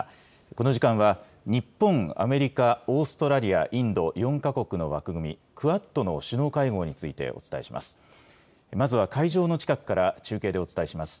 この時間は、日本、アメリカ、オーストラリア、インド、４か国の枠組み、クアッドの首脳会合についてお伝えします。